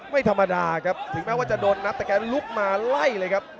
ไม่ธรรมดาครับถึงแม้ว่าจะโดนนับแต่แกลุกมาไล่เลยครับ